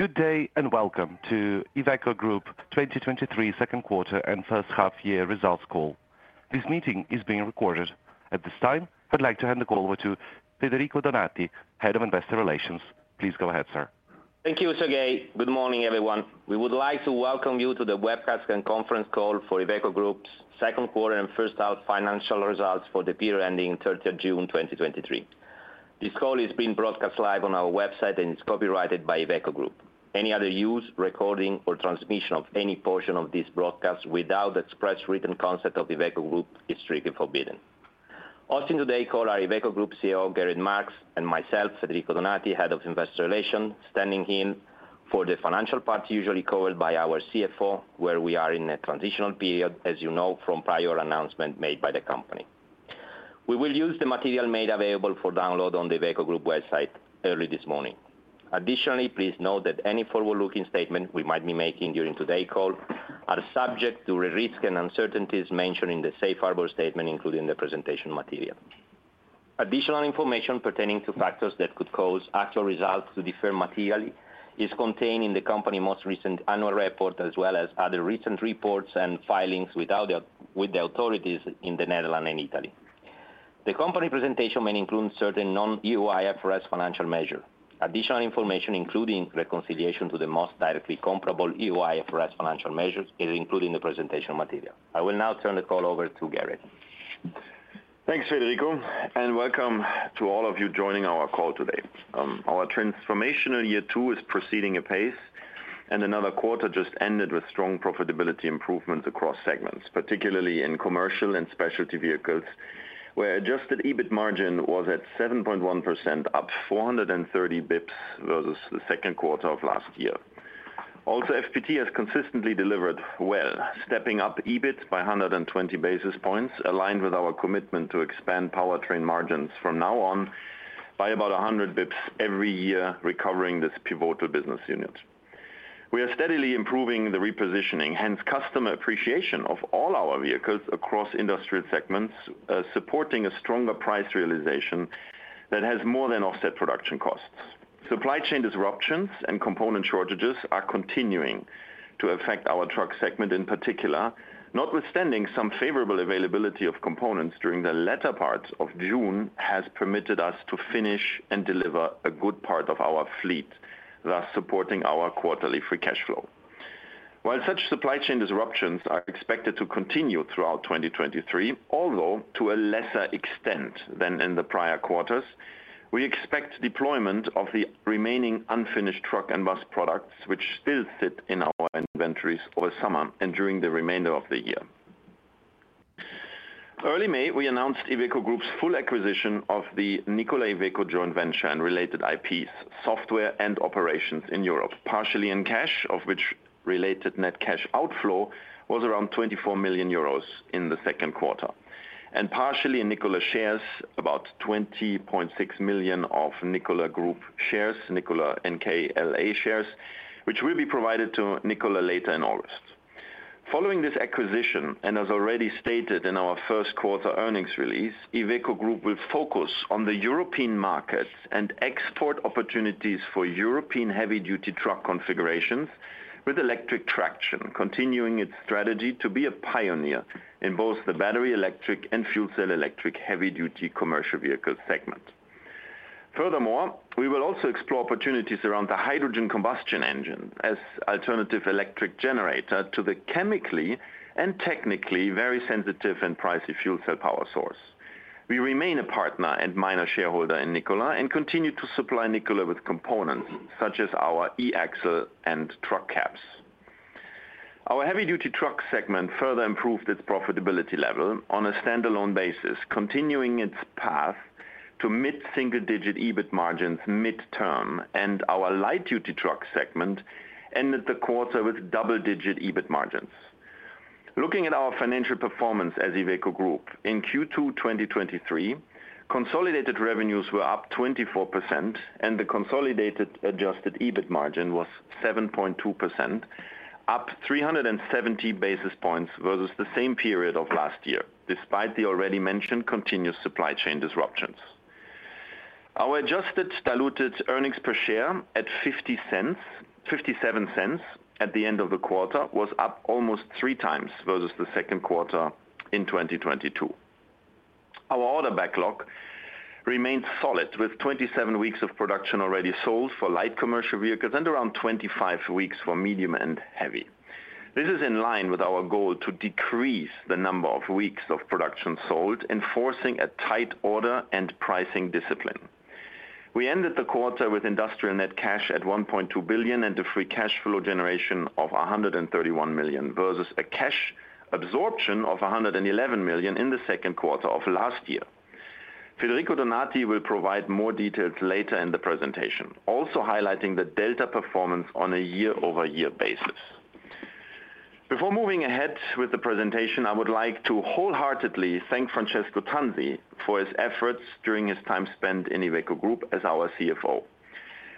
Good day, Welcome to Iveco Group 2023 Second Quarter and First Half Year Results Call. This meeting is being recorded. At this time, I'd like to hand the call over to Federico Donati, head of Investor Relations. Please go ahead, sir. Thank you, Sergei. Good morning, everyone. We would like to welcome you to the webcast and conference call for Iveco Group's second quarter and first half financial results for the period ending of 06/03/2023. This call is being broadcast live on our website, and it's copyrighted by Iveco Group. Any other use, recording, or transmission of any portion of this broadcast without the express written consent of Iveco Group is strictly forbidden. Hosting today call are Iveco Group CEO, Gerrit Marx, and myself, Federico Donati, Head of Investor Relations, standing in for the financial part, usually covered by our CFO, where we are in a transitional period, as you know, from prior announcement made by the company. We will use the material made available for download on the Iveco Group website early this morning. Additionally, please note that any forward-looking statement we might be making during today call are subject to the risk and uncertainties mentioned in the safe harbor statement, including the presentation material. Additional information pertaining to factors that could cause actual results to differ materially is contained in the company most recent annual report, as well as other recent reports and filings with all the, with the authorities in the Netherlands and Italy. The company presentation may include certain non-EU IFRS financial measure. Additional information, including reconciliation to the most directly comparable EU IFRS financial measures, is included in the presentation material. I will now turn the call over to Gerrit. Thanks, Federico, and welcome to all of you joining our call today. Our transformational year two is proceeding apace, and another quarter just ended with strong profitability improvements across segments, particularly in commercial and specialty vehicles, where adjusted EBIT margin was at 7.1%, up 430 basis points versus the second quarter of last year. Also, FPT has consistently delivered well, stepping up EBIT by 120 basis points, aligned with our commitment to expand powertrain margins from now on by about 100 basis points every year, recovering this pivotal business unit. We are steadily improving the repositioning, hence customer appreciation of all our vehicles across industrial segments, supporting a stronger price realization that has more than offset production costs. Supply chain disruptions and component shortages are continuing to affect our truck segment in particular, notwithstanding some favorable availability of components during the latter part of June, has permitted us to finish and deliver a good part of our fleet, thus supporting our quarterly free cash flow. While such supply chain disruptions are expected to continue throughout 2023, although to a lesser extent than in the prior quarters, we expect deployment of the remaining unfinished truck and bus products, which still sit in our inventories over summer and during the remainder of the year. Early May, we announced Iveco Group's full acquisition of the Nikola Iveco joint venture and related IPs, software, and operations in Europe, partially in cash, of which related net cash outflow was around 24 million euros in the second quarter. Partially in Nikola shares, about 20.6 million of Nikola Group shares, Nikola NKLA shares, which will be provided to Nikola later in August. Following this acquisition, as already stated in our first quarter earnings release, Iveco Group will focus on the European market and export opportunities for European heavy-duty truck configurations with electric traction, continuing its strategy to be a pioneer in both the battery electric and fuel cell electric heavy-duty commercial vehicle segment. Furthermore, we will also explore opportunities around the hydrogen combustion engine as alternative electric generator to the chemically and technically very sensitive and pricey fuel cell power source. We remain a partner and minor shareholder in Nikola and continue to supply Nikola with components such as our E-Axle and truck cabs. Our heavy-duty truck segment further improved its profitability level on a standalone basis, continuing its path to mid-single-digit EBIT margins mid-term. Our light-duty truck segment ended the quarter with double-digit EBIT margins. Looking at our financial performance as Iveco Group, in Q2 2023, consolidated revenues were up 24%. The consolidated adjusted EBIT margin was 7.2%, up 370 basis points versus the same period of last year, despite the already mentioned continuous supply chain disruptions. Our adjusted diluted earnings per share at 0.57 at the end of the quarter was up almost 3 times versus the second quarter in 2022. Our order backlog remained solid, with 27 weeks of production already sold for light commercial vehicles and around 25 weeks for medium and heavy. This is in line with our goal to decrease the number of weeks of production sold, enforcing a tight order and pricing discipline. We ended the quarter with industrial net cash at 1.2 billion, and the free cash flow generation of 131 million, versus a cash absorption of 111 million in the second quarter of last year. Federico Donati will provide more details later in the presentation, also highlighting the delta performance on a year-over-year basis. Before moving ahead with the presentation, I would like to wholeheartedly thank Francesco Tanzi for his efforts during his time spent in Iveco Group as our CFO.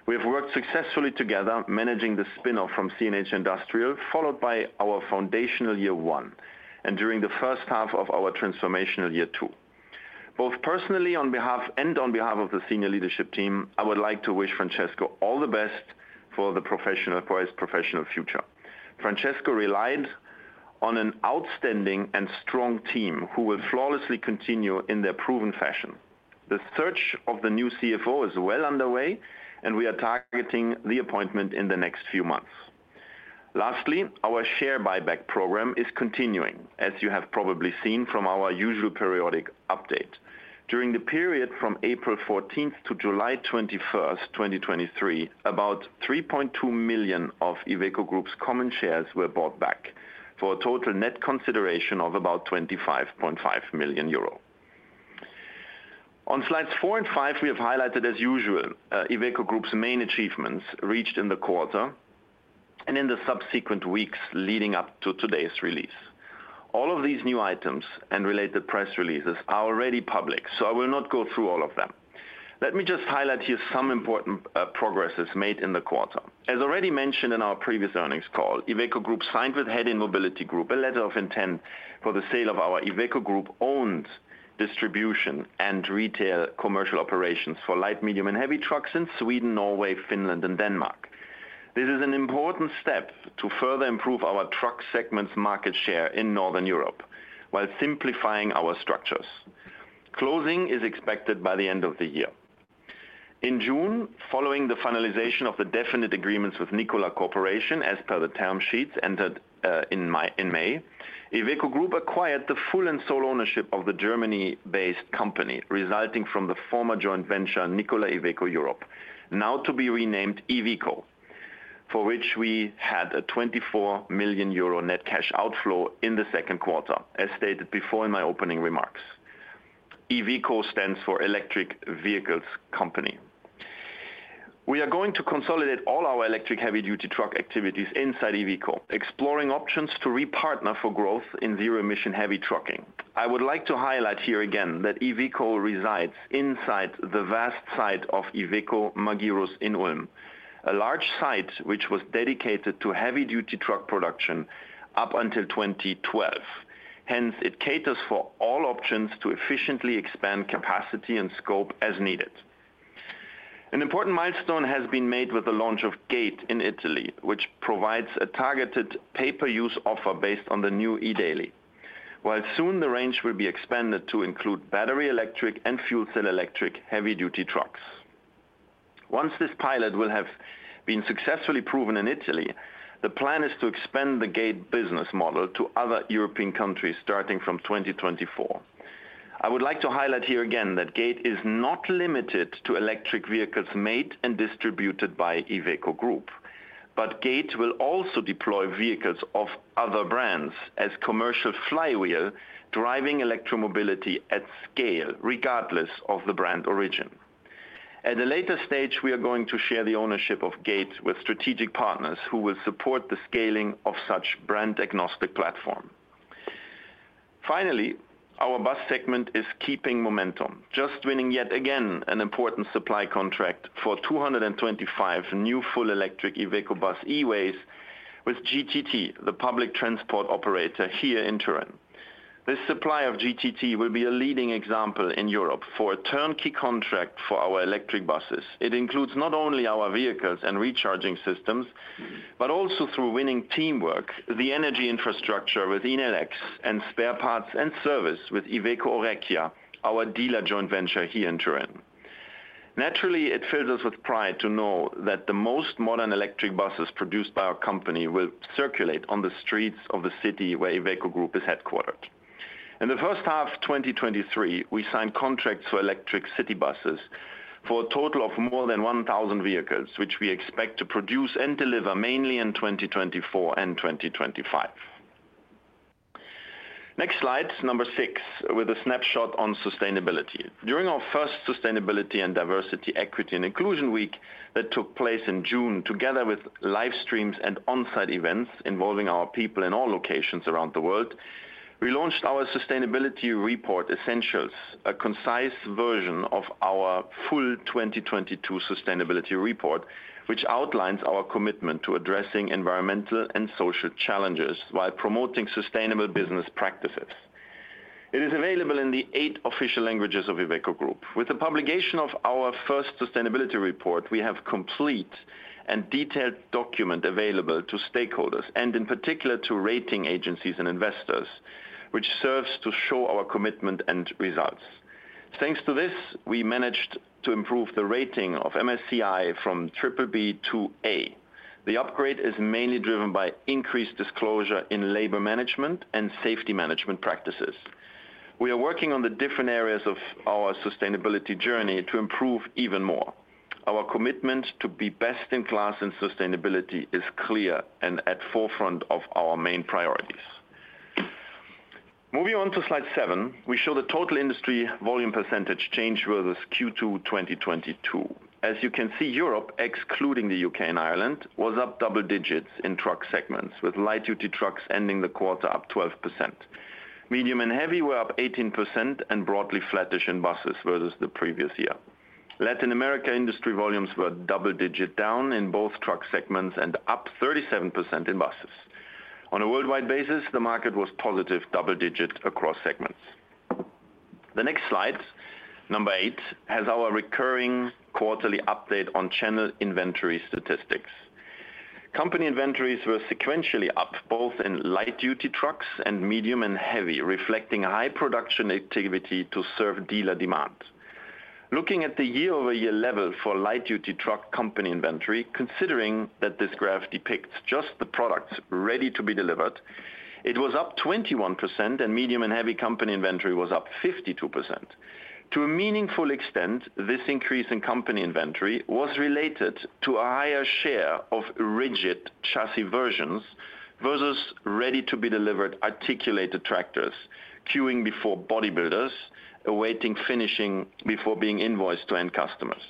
We have worked successfully together, managing the spin-off from CNH Industrial, followed by our foundational year one and during the first half of our transformational year two.... Both personally, on behalf and on behalf of the senior leadership team, I would like to wish Francesco all the best for his professional future. Francesco relied on an outstanding and strong team, who will flawlessly continue in their proven fashion. The search of the new CFO is well underway, we are targeting the appointment in the next few months. Lastly, our share buyback program is continuing, as you have probably seen from our usual periodic update. During the period from April 14th to July 21st, 2023, about 3.2 million of Iveco Group's common shares were bought back, for a total net consideration of about 25.5 million euro. On slides 4 and 5, we have highlighted, as usual, Iveco Group's main achievements reached in the quarter and in the subsequent weeks leading up to today's release. All of these new items and related press releases are already public. I will not go through all of them. Let me just highlight here some important progresses made in the quarter. As already mentioned in our previous earnings call, Iveco Group signed with Hedin Mobility Group, a letter of intent for the sale of our Iveco Group-owned distribution and retail commercial operations for light, medium, and heavy trucks in Sweden, Norway, Finland, and Denmark. This is an important step to further improve our truck segment's market share in Northern Europe while simplifying our structures. Closing is expected by the end of the year. In June, following the finalization of the definite agreements with Nikola Corporation, as per the term sheets ended in May, in May, Iveco Group acquired the full and sole ownership of the Germany-based company, resulting from the former joint venture, Nikola Iveco Europe, now to be renamed Evico, for which we had a 24 million euro net cash outflow in the 2Q, as stated before in my opening remarks. Evico stands for Electric Vehicles Company. We are going to consolidate all our electric heavy-duty truck activities inside Evico, exploring options to repartner for growth in zero-emission heavy trucking. I would like to highlight here again that Evico resides inside the vast site of Iveco Magirus in Ulm, a large site which was dedicated to heavy-duty truck production up until 2012. Hence, it caters for all options to efficiently expand capacity and scope as needed. An important milestone has been made with the launch of GATE in Italy, which provides a targeted pay-per-use offer based on the new eDaily. Soon the range will be expanded to include battery electric and fuel cell electric heavy-duty trucks. Once this pilot will have been successfully proven in Italy, the plan is to expand the GATE business model to other European countries, starting from 2024. I would like to highlight here again that GATE is not limited to electric vehicles made and distributed by Iveco Group, but GATE will also deploy vehicles of other brands as commercial flywheel, driving electromobility at scale, regardless of the brand origin. At a later stage, we are going to share the ownership of GATE with strategic partners, who will support the scaling of such brand-agnostic platform. Finally, our bus segment is keeping momentum, just winning yet again, an important supply contract for 225 new full electric Iveco Bus E-WAYs with GTT, the public transport operator here in Turin. This supply of GTT will be a leading example in Europe for a turnkey contract for our electric buses. It includes not only our vehicles and recharging systems, but also through winning teamwork, the energy infrastructure with Enel X and spare parts and service with Iveco Orecchia, our dealer joint venture here in Turin. Naturally, it fills us with pride to know that the most modern electric buses produced by our company will circulate on the streets of the city where Iveco Group is headquartered. In the first half of 2023, we signed contracts for electric city buses for a total of more than 1,000 vehicles, which we expect to produce and deliver mainly in 2024 and 2025. Next slide, number 6, with a snapshot on sustainability. During our first Sustainability and Diversity, Equity and Inclusion Week that took place in June, together with live streams and on-site events involving our people in all locations around the world, we launched our Sustainability Report Essentials, a concise version of our full 2022 sustainability report, which outlines our commitment to addressing environmental and social challenges while promoting sustainable business practices. It is available in the 8 official languages of Iveco Group. With the publication of our first sustainability report, we have complete and detailed document available to stakeholders, and in particular, to rating agencies and investors, which serves to show our commitment and results. Thanks to this, we managed to improve the rating of MSCI from triple B to A. The upgrade is mainly driven by increased disclosure in labor management and safety management practices. We are working on the different areas of our sustainability journey to improve even more. Our commitment to be best in class in sustainability is clear and at forefront of our main priorities. Moving on to slide 7, we show the total industry volume percentage change versus Q2 2022. As you can see, Europe, excluding the UK and Ireland, was up double digits in truck segments, with light-duty trucks ending the quarter up 12%. Medium and heavy were up 18% and broadly flattish in buses versus the previous year. Latin America industry volumes were double-digit down in both truck segments and up 37% in buses. On a worldwide basis, the market was positive double-digit across segments. The next slide, number 8, has our recurring quarterly update on channel inventory statistics. Company inventories were sequentially up, both in light-duty trucks and medium and heavy, reflecting high production activity to serve dealer demand. Looking at the year-over-year level for light-duty truck company inventory, considering that this graph depicts just the products ready to be delivered, it was up 21%, and medium and heavy company inventory was up 52%. To a meaningful extent, this increase in company inventory was related to a higher share of rigid chassis versions versus ready-to-be-delivered articulated tractors, queuing before bodybuilders, awaiting finishing before being invoiced to end customers.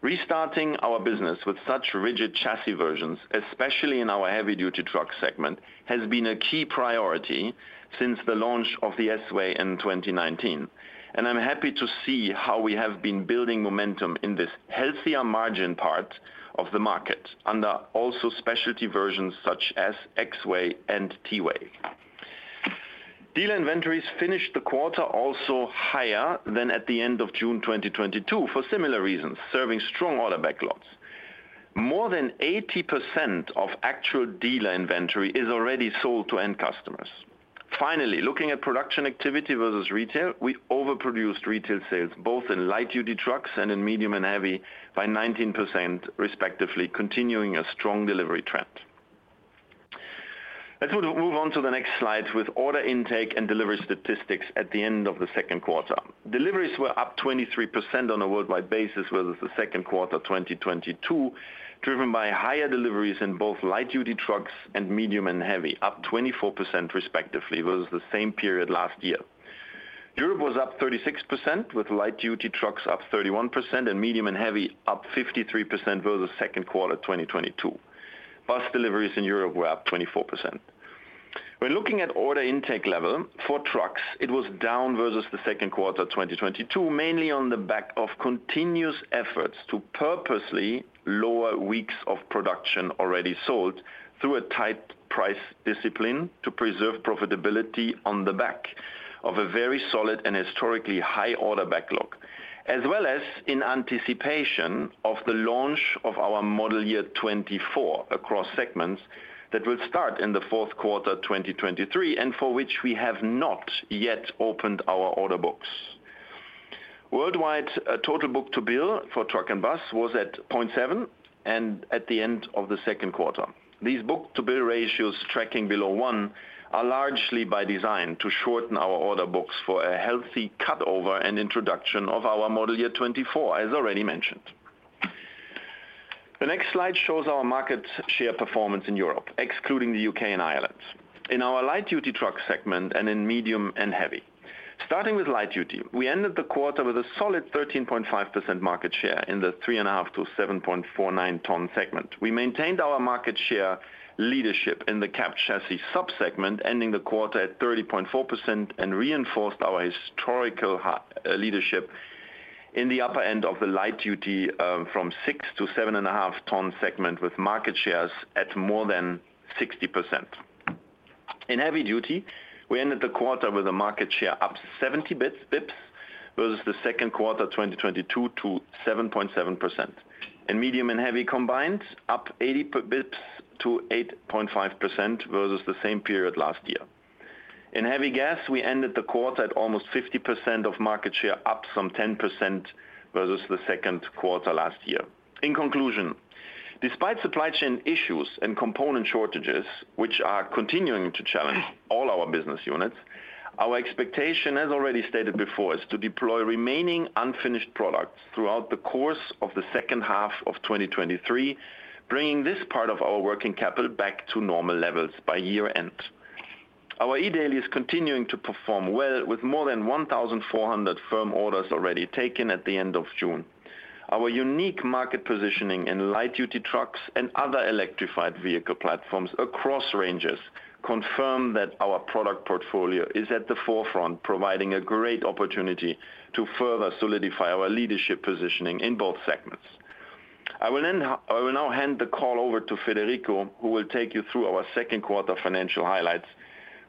Restarting our business with such rigid chassis versions, especially in our heavy-duty truck segment, has been a key priority since the launch of the S-Way in 2019. I'm happy to see how we have been building momentum in this healthier margin part of the market, under also specialty versions such as X-Way and T-Way. Dealer inventories finished the quarter also higher than at the end of June 2022, for similar reasons, serving strong order backlogs. More than 80% of actual dealer inventory is already sold to end customers. Finally, looking at production activity versus retail, we overproduced retail sales, both in light-duty trucks and in medium and heavy, by 19%, respectively, continuing a strong delivery trend. Let's move, move on to the next slide with order intake and delivery statistics at the end of the second quarter. Deliveries were up 23% on a worldwide basis, versus the second quarter of 2022, driven by higher deliveries in both light-duty trucks and medium and heavy, up 24% respectively, versus the same period last year. Europe was up 36%, with light-duty trucks up 31% and medium and heavy up 53% versus second quarter 2022. Bus deliveries in Europe were up 24%. When looking at order intake level for trucks, it was down versus the second quarter, 2022, mainly on the back of continuous efforts to purposely lower weeks of production already sold, through a tight price discipline to preserve profitability on the back of a very solid and historically high order backlog. As well as in anticipation of the launch of our Model Year 2024 across segments, that will start in the fourth quarter, 2023, and for which we have not yet opened our order books. Worldwide, total book-to-bill for truck and bus was at 0.7, and at the end of the second quarter. These book-to-bill ratios tracking below 1, are largely by design, to shorten our order books for a healthy cutover and introduction of our Model Year 2024, as already mentioned. The next slide shows our market share performance in Europe, excluding the U.K. and Ireland, in our light-duty truck segment and in medium and heavy. Starting with light duty, we ended the quarter with a solid 13.5% market share in the 3.5-7.49 tn segment. We maintained our market share leadership in the cab chassis sub-segment, ending the quarter at 30.4%, and reinforced our historical leadership in the upper end of the light duty, from 6-7.5 tn segment, with market shares at more than 60%. In heavy duty, we ended the quarter with a market share up 70 bps, versus the 2Q 2022 to 7.7%. In medium and heavy combined, up 80 bps to 8.5% versus the same period last year. In heavy gas, we ended the quarter at almost 50% of market share, up from 10% versus the second quarter last year. In conclusion, despite supply chain issues and component shortages, which are continuing to challenge all our business units, our expectation, as already stated before, is to deploy remaining unfinished products throughout the course of the second half of 2023, bringing this part of our working capital back to normal levels by year-end. Our eDaily is continuing to perform well, with more than 1,400 firm orders already taken at the end of June. Our unique market positioning in light-duty trucks and other electrified vehicle platforms across ranges, confirm that our product portfolio is at the forefront, providing a great opportunity to further solidify our leadership positioning in both segments. I will now hand the call over to Federico, who will take you through our second quarter financial highlights,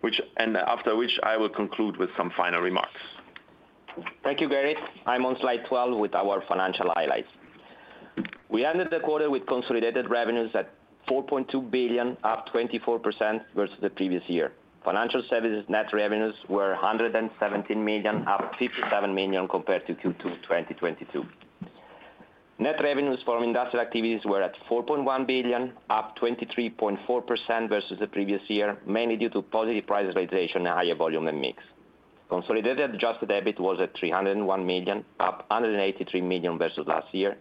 which. After which, I will conclude with some final remarks. Thank you, Gerrit. I'm on slide 12 with our financial highlights. We ended the quarter with consolidated revenues at 4.2 billion, up 24% versus the previous year. Financial services net revenues were 117 million, up 57 million compared to Q2 2022. Net revenues from industrial activities were at 4.1 billion, up 23.4% versus the previous year, mainly due to positive price realization and higher volume and mix. Consolidated adjusted EBIT was at 301 million, up 183 million versus last year,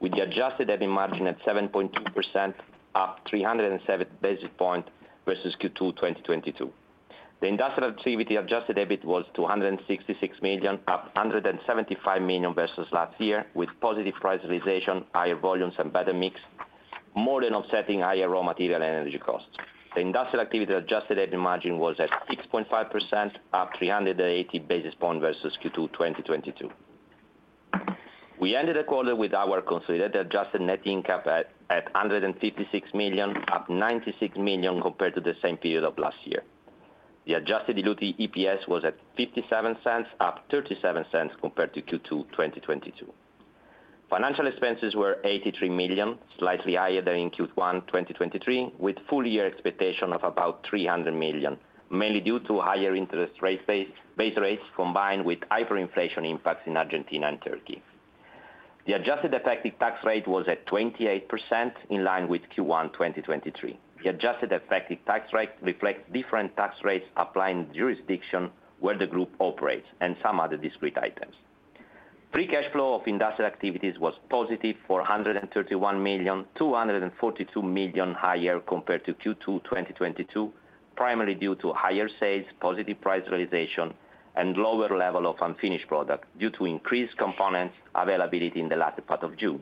with the adjusted EBIT margin at 7.2%, up 307 basis points versus Q2 2022. The industrial activity adjusted EBIT was 266 million, up 175 million versus last year, with positive price realization, higher volumes and better mix, more than offsetting higher raw material and energy costs. The industrial activity adjusted EBIT margin was at 6.5%, up 380 basis point versus Q2 2022. We ended the quarter with our consolidated adjusted net income at 156 million, up 96 million compared to the same period of last year. The adjusted diluted EPS was at 0.57, up 0.37 compared to Q2 2022. Financial expenses were 83 million, slightly higher than in Q1 2023, with full year expectation of about 300 million, mainly due to higher interest rate base, base rates, combined with hyperinflation impacts in Argentina and Turkey. The adjusted effective tax rate was at 28%, in line with Q1 2023. The adjusted effective tax rate reflects different tax rates applying jurisdiction where the group operates and some other discrete items. Free cash flow of industrial activities was positive for 431 million, 242 million higher compared to Q2 2022, primarily due to higher sales, positive price realization, and lower level of unfinished product due to increased components availability in the latter part of June,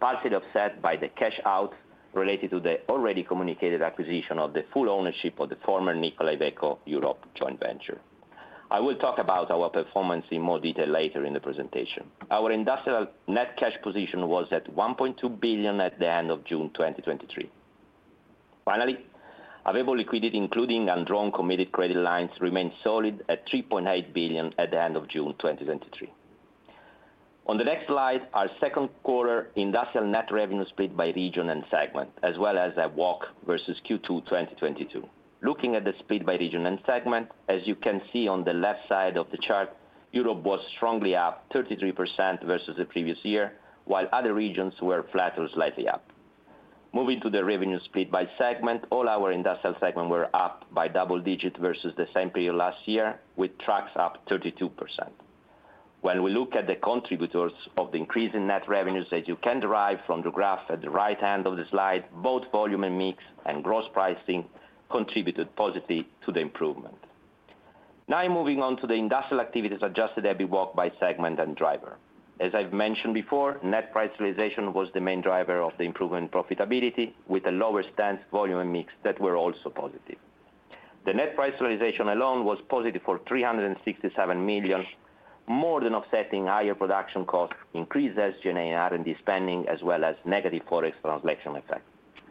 partially offset by the cash out related to the already communicated acquisition of the full ownership of the former Nikola Iveco Europe joint venture. I will talk about our performance in more detail later in the presentation. Our industrial net cash position was at 1.2 billion at the end of June 2023. Finally, available liquidity, including undrawn committed credit lines, remained solid at 3.8 billion at the end of June 2023. On the next slide, our second quarter industrial net revenue split by region and segment, as well as a walk versus Q2 2022. Looking at the split by region and segment, as you can see on the left side of the chart, Europe was strongly up 33% versus the previous year, while other regions were flat or slightly up. Moving to the revenue split by segment, all our industrial segment were up by double-digit versus the same period last year, with trucks up 32%. When we look at the contributors of the increase in net revenues, as you can derive from the graph at the right-hand of the slide, both volume and mix and gross pricing contributed positively to the improvement. Now, moving on to the industrial activities adjusted EBIT walk by segment and driver. As I've mentioned before, net price realization was the main driver of the improvement profitability, with a lower stance volume and mix that were also positive. The net price realization alone was positive for 367 million, more than offsetting higher production costs, increased SG&A and R&D spending, as well as negative ForEx translation effect.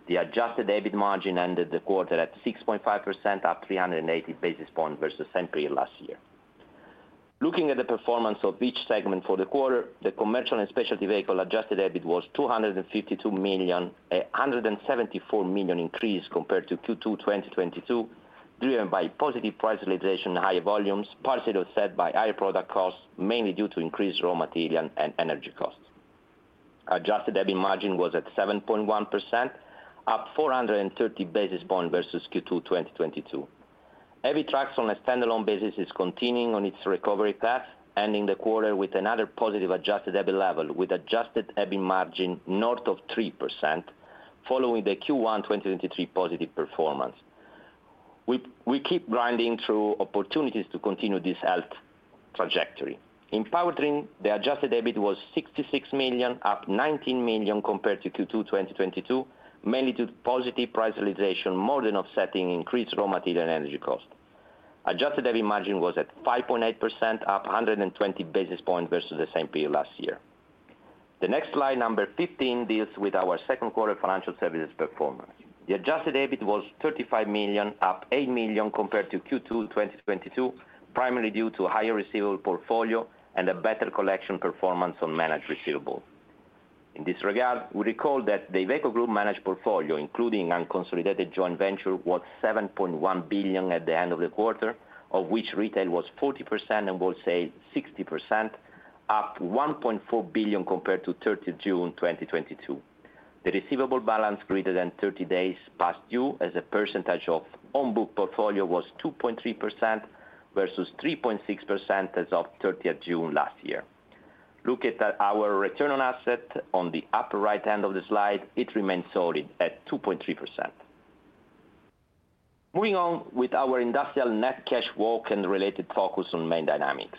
The adjusted EBIT margin ended the quarter at 6.5%, up 380 basis points versus same period last year. Looking at the performance of each segment for the quarter, the commercial and specialty vehicle adjusted EBIT was 252 million, 174 million increase compared to Q2 2022, driven by positive price realization and higher volumes, partially offset by higher product costs, mainly due to increased raw material and energy costs. Adjusted EBIT margin was at 7.1%, up 430 basis points versus Q2 2022. EBIT trucks on a standalone basis is continuing on its recovery path, ending the quarter with another positive adjusted EBIT level, with adjusted EBIT margin north of 3%, following the Q1 2023 positive performance. We keep grinding through opportunities to continue this health trajectory. In powertrain, the adjusted EBIT was 66 million, up 19 million compared to Q2, 2022, mainly due to positive price realization, more than offsetting increased raw material and energy cost. Adjusted EBIT margin was at 5.8%, up 120 basis points versus the same period last year. The next slide, number 15, deals with our second quarter financial services performance. The adjusted EBIT was 35 million, up 8 million compared to Q2, 2022, primarily due to higher receivable portfolio and a better collection performance on managed receivables. In this regard, we recall that the Iveco Group managed portfolio, including unconsolidated joint venture, was 7.1 billion at the end of the quarter, of which retail was 40% and wholesale 60%, up EUR 1.4 billion compared to 06/30/2022. The receivable balance greater than 30 days past due, as a percentage of on-book portfolio, was 2.3% versus 3.6% as of 30th June last year. Look at our return on asset on the upper right-hand of the slide. It remains solid at 2.3%. Moving on with our industrial net cash walk and related focus on main dynamics.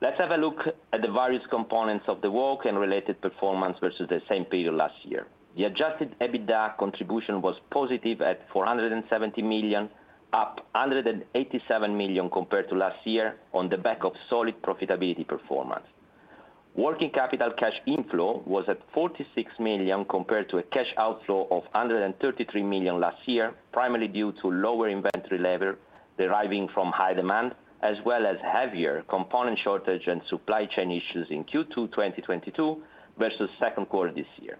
Let's have a look at the various components of the walk and related performance versus the same period last year. The adjusted EBITDA contribution was positive at 470 million, up 187 million compared to last year on the back of solid profitability performance. Working capital cash inflow was at 46 million, compared to a cash outflow of 133 million last year, primarily due to lower inventory level deriving from high demand, as well as heavier component shortage and supply chain issues in Q2 2022, versus second quarter this year.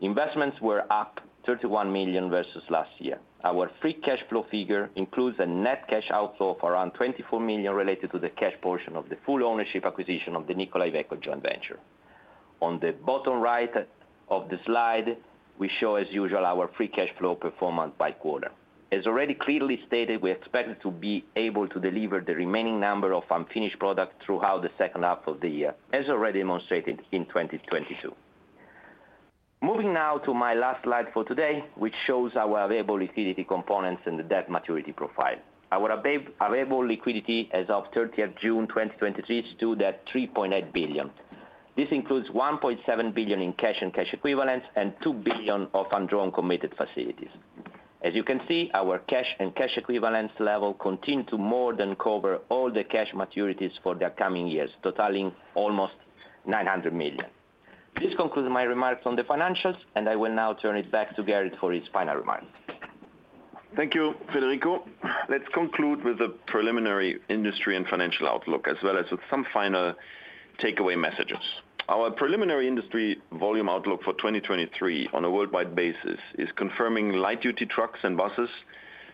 Investments were up 31 million versus last year. Our free cash flow figure includes a net cash outflow of around 24 million related to the cash portion of the full ownership acquisition of the Nikola Iveco joint venture. On the bottom right of the slide, we show, as usual, our free cash flow performance by quarter. As already clearly stated, we expect to be able to deliver the remaining number of unfinished products throughout the second half of the year, as already demonstrated in 2022. Moving now to my last slide for today, which shows our available liquidity components and the debt maturity profile. Our available liquidity as of 06/30/2023, stood at 3.8 billion. This includes 1.7 billion in cash and cash equivalents, and 2 billion of undrawn committed facilities. As you can see, our cash and cash equivalence level continue to more than cover all the cash maturities for the coming years, totaling almost 900 million. This concludes my remarks on the financials, I will now turn it back to Gerrit for his final remarks. Thank you, Federico. Let's conclude with the preliminary industry and financial outlook, as well as with some final takeaway messages. Our preliminary industry volume outlook for 2023, on a worldwide basis, is confirming light-duty trucks and buses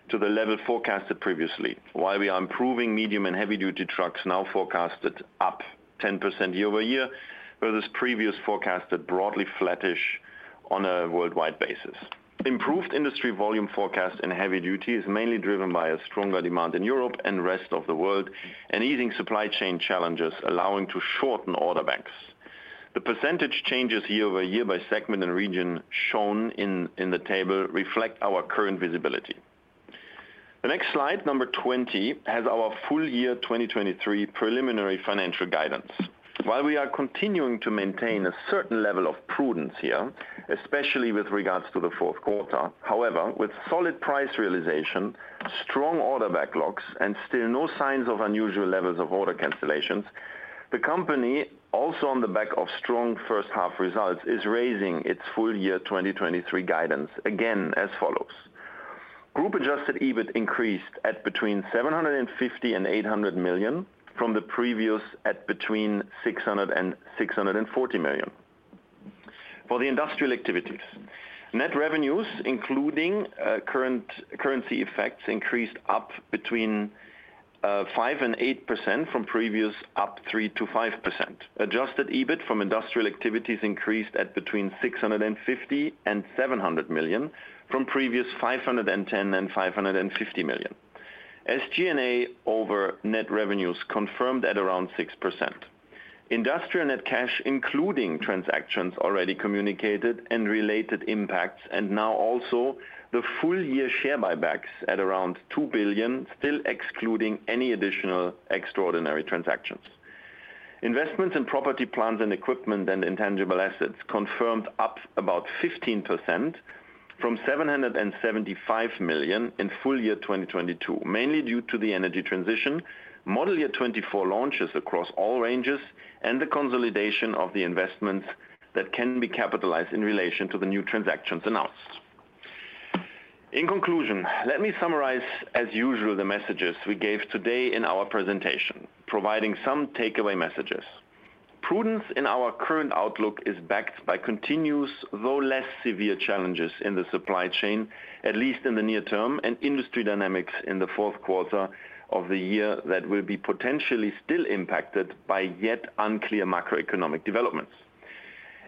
to the level forecasted previously. While we are improving medium and heavy-duty trucks, now forecasted up 10% year-over-year, whereas previous forecasted broadly flattish on a worldwide basis. Improved industry volume forecast in heavy duty is mainly driven by a stronger demand in Europe and the rest of the world, and easing supply chain challenges, allowing to shorten order banks. The percentage changes year-over-year by segment and region shown in the table reflect our current visibility. The next slide, number 20, has our full year 2023 preliminary financial guidance. While we are continuing to maintain a certain level of prudence here, especially with regards to the fourth quarter, however, with solid price realization, strong order backlogs, and still no signs of unusual levels of order cancellations, the company, also on the back of strong first half results, is raising its full year 2023 guidance again as follows: Group adjusted EBIT increased at between 750 million and 800 million, from the previous at between 600 million and 640 million. For the industrial activities, net revenues, including current currency effects, increased up between 5% and 8% from previous 3%-5%. Adjusted EBIT from industrial activities increased at between 650 million and 700 million, from previous 510 million and 550 million. SG&A over net revenues confirmed at around 6%. Industrial net cash, including transactions already communicated and related impacts, now also the full year share buybacks at around 2 billion, still excluding any additional extraordinary transactions. Investments in property, plants and equipment and intangible assets confirmed up about 15% from 775 million in full year 2022, mainly due to the energy transition, Model Year 2024 launches across all ranges, and the consolidation of the investments that can be capitalized in relation to the new transactions announced. In conclusion, let me summarize, as usual, the messages we gave today in our presentation, providing some takeaway messages. Prudence in our current outlook is backed by continuous, though less severe, challenges in the supply chain, at least in the near term, and industry dynamics in the fourth quarter of the year that will be potentially still impacted by yet unclear macroeconomic developments.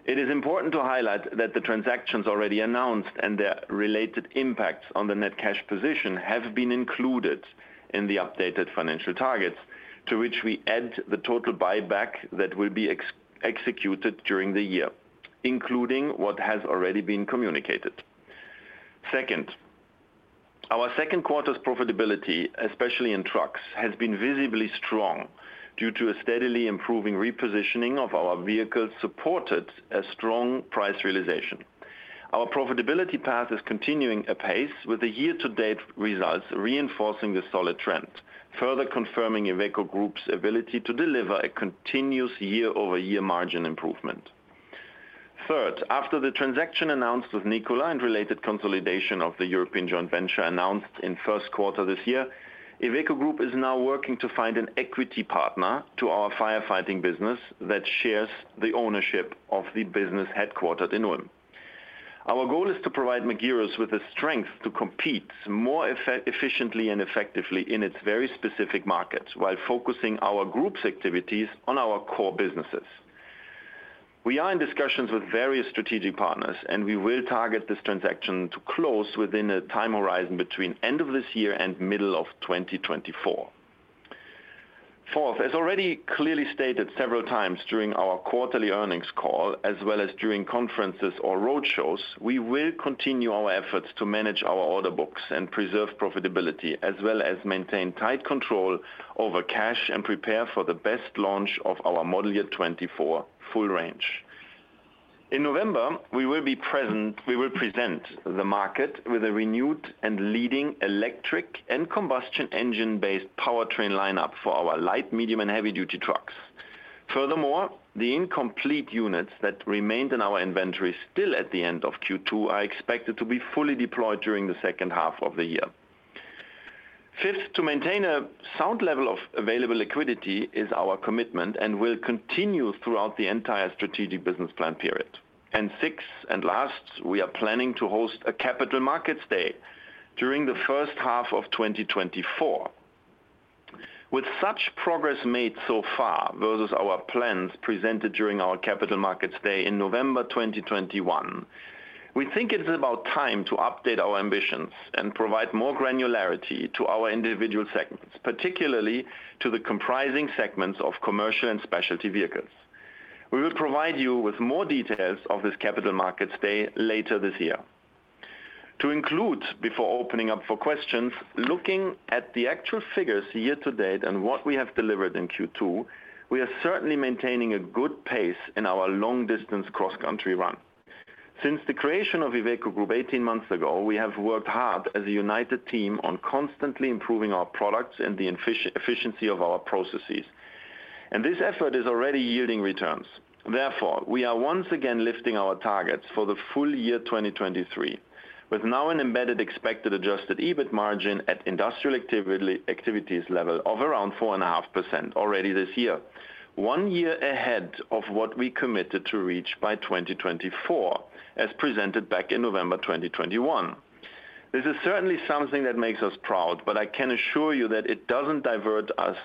It is important to highlight that the transactions already announced and their related impacts on the net cash position have been included in the updated financial targets, to which we add the total buyback that will be executed during the year, including what has already been communicated. Second, our second quarter's profitability, especially in trucks, has been visibly strong due to a steadily improving repositioning of our vehicles, supported a strong price realization. Our profitability path is continuing apace, with the year-to-date results reinforcing the solid trend, further confirming Iveco Group's ability to deliver a continuous year-over-year margin improvement. Third, after the transaction announced with Nikola and related consolidation of the European joint venture announced in first quarter this year, Iveco Group is now working to find an equity partner to our firefighting business that shares the ownership of the business headquartered in Ulm. Our goal is to provide Magirus with the strength to compete more efficiently and effectively in its very specific markets, while focusing our group's activities on our core businesses. We are in discussions with various strategic partners, we will target this transaction to close within a time horizon between end of this year and middle of 2024. Fourth, as already clearly stated several times during our quarterly earnings call, as well as during conferences or roadshows, we will continue our efforts to manage our order books and preserve profitability, as well as maintain tight control over cash and prepare for the best launch of our Model Year 2024 full range. In November, we will present the market with a renewed and leading electric and combustion engine-based powertrain lineup for our light, medium, and heavy-duty trucks. Furthermore, the incomplete units that remained in our inventory still at the end of Q2, are expected to be fully deployed during the second half of the year. Fifth, to maintain a sound level of available liquidity is our commitment and will continue throughout the entire strategic business plan period. Sixth and last, we are planning to host a Capital Markets Day during the first half of 2024. With such progress made so far versus our plans presented during our Capital Markets Day in November 2021, we think it is about time to update our ambitions and provide more granularity to our individual segments, particularly to the comprising segments of commercial and specialty vehicles. We will provide you with more details of this Capital Markets Day later this year. To conclude, before opening up for questions, looking at the actual figures year to date and what we have delivered in Q2, we are certainly maintaining a good pace in our long-distance cross-country run. Since the creation of Iveco Group 18 months ago, we have worked hard as a united team on constantly improving our products and the efficiency of our processes. This effort is already yielding returns. Therefore, we are once again lifting our targets for the full year 2023, with now an embedded expected adjusted EBIT margin at industrial activity, activities level of around 4.5% already this year. 1 year ahead of what we committed to reach by 2024, as presented back in November 2021. This is certainly something that makes us proud, but I can assure you that it doesn't divert us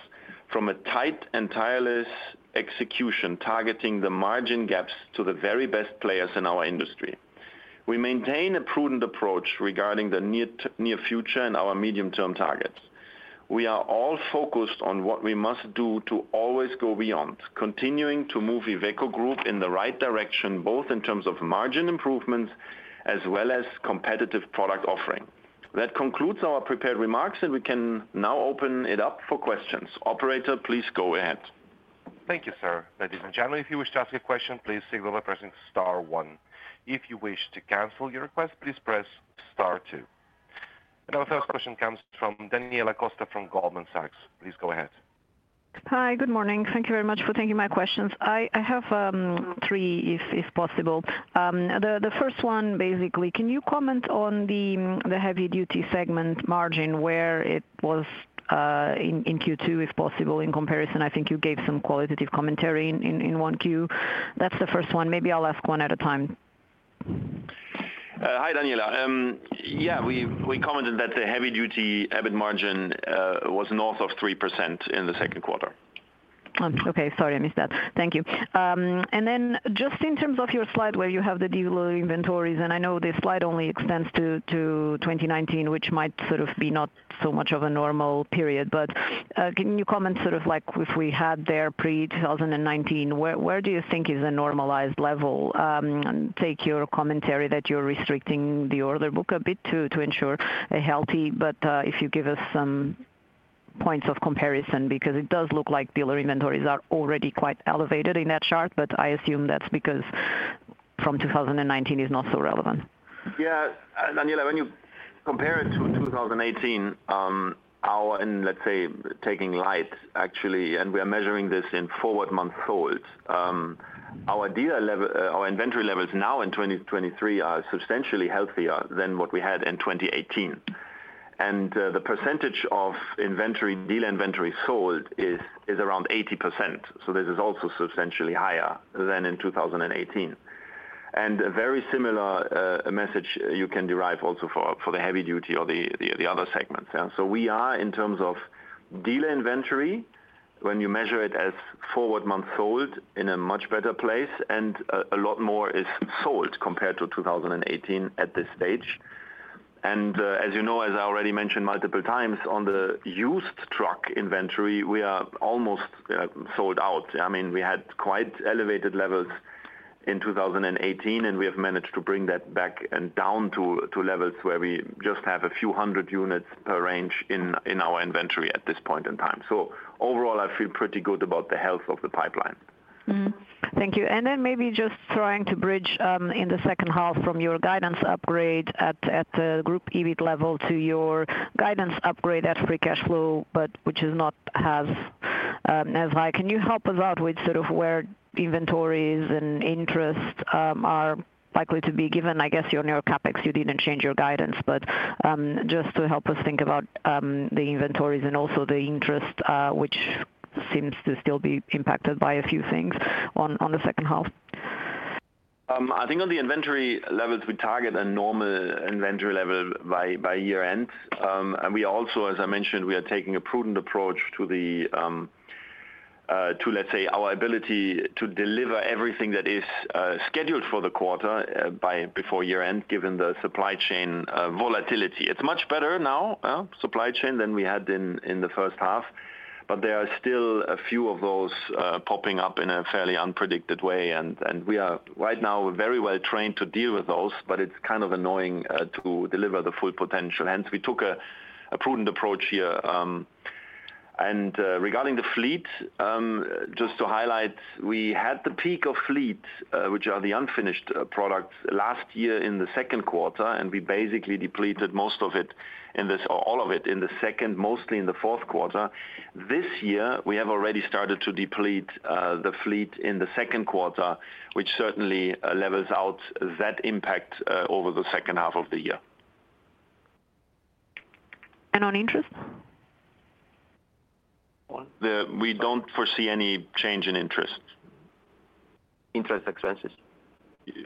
from a tight and tireless execution, targeting the margin gaps to the very best players in our industry. We maintain a prudent approach regarding the near future and our medium-term targets. We are all focused on what we must do to always go beyond, continuing to move Iveco Group in the right direction, both in terms of margin improvements as well as competitive product offering. That concludes our prepared remarks, and we can now open it up for questions. Operator, please go ahead. Thank you, sir. Ladies and gentlemen, if you wish to ask a question, please signal by pressing star one. If you wish to cancel your request, please press star two. Our first question comes from Daniela Costa from Goldman Sachs. Please go ahead. Hi, good morning. Thank you very much for taking my questions. I, I have 3, if, if possible. The, the first one, basically, can you comment on the, the heavy-duty segment margin, where it was in Q2, if possible, in comparison? I think you gave some qualitative commentary in 1Q. That's the first one. Maybe I'll ask one at a time. Hi, Daniela. Yeah, we, we commented that the heavy duty EBIT margin, was north of 3% in the second quarter. Okay. Sorry, I missed that. Thank you. Then just in terms of your slide where you have the dealer inventories, and I know this slide only extends to 2019, which might sort of be not so much of a normal period. Can you comment sort of like if we had there pre-2019, where, where do you think is the normalized level? Take your commentary that you're restricting the order book a bit to, to ensure a healthy, but if you give us some points of comparison, because it does look like dealer inventories are already quite elevated in that chart, but I assume that's because from 2019 is not so relevant. Yeah, Daniela, when you compare it to 2018, our, and let's say, taking light, actually, and we are measuring this in forward months sold, our dealer level, our inventory levels now in 2023 are substantially healthier than what we had in 2018. The percentage of inventory, dealer inventory sold is, is around 80%, so this is also substantially higher than in 2018. A very similar message you can derive also for, for the heavy duty or the, the, the other segments, yeah? We are, in terms of dealer inventory, when you measure it as forward months sold, in a much better place, and a, a lot more is sold compared to 2018 at this stage. As you know, as I already mentioned multiple times, on the used truck inventory, we are almost sold out. I mean, we had quite elevated levels in 2018, and we have managed to bring that back and down to, to levels where we just have a few hundred units per range in, in our inventory at this point in time. Overall, I feel pretty good about the health of the pipeline. Thank you. Then maybe just trying to bridge in the second half from your guidance upgrade at the group EBIT level to your guidance upgrade at free cash flow, which is not as high. Can you help us out with sort of where inventories and interest are likely to be given, I guess, your near CapEx, you didn't change your guidance. Just to help us think about the inventories and also the interest, which seems to still be impacted by a few things on the second half. I think on the inventory levels, we target a normal inventory level by year-end. We also, as I mentioned, we are taking a prudent approach to the, let's say, our ability to deliver everything that is scheduled for the quarter, by before year-end, given the supply chain volatility. It's much better now, supply chain, than we had in the first half, but there are still a few of those popping up in a fairly unpredicted way. We are, right now, very well trained to deal with those, but it's kind of annoying, to deliver the full potential. Hence, we took a prudent approach here. Regarding the fleet, just to highlight, we had the peak of fleet, which are the unfinished products, last year in the second quarter, and we basically depleted most of it in this... Or all of it, in the second, mostly in the fourth quarter. This year, we have already started to deplete the fleet in the second quarter, which certainly levels out that impact over the second half of the year. On interest? We don't foresee any change in interest. Interest expenses? Yeah.